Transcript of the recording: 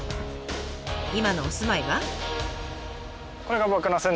今のお住まいは？